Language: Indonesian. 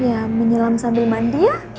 ya menyelam sambil mandi ya